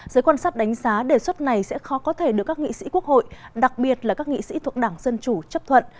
giới quan sát đánh giá đề xuất này sẽ khó có thể được các nghị sĩ quốc hội đặc biệt là các nghị sĩ thuộc đảng dân chủ chấp thuận